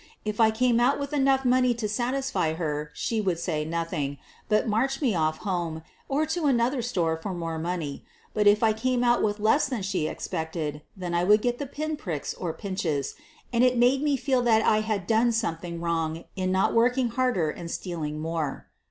If I came out with enough money to satisfy her she would say nothing, ibut march me off home or to another store for more money, but if I came out with less than she expected, then I would get the pin pricks or pinches, and be made to feel that I had done something wrong in not working harder and stealing more.